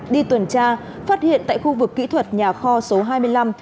đi tuần tra phát hiện tại khu vực kỹ thuật nhà kho số hai mươi năm